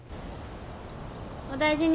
お大事に。